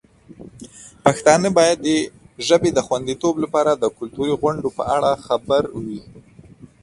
پښتانه باید د ژبې د خوندیتوب لپاره د کلتوري غونډو په اړه خبر وي.